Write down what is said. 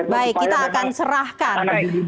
baik kita akan serahkan